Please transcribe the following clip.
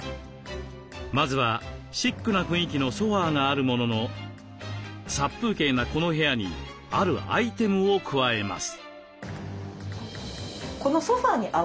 まずはシックな雰囲気のソファーがあるものの殺風景なこの部屋にあるアイテムを加えます。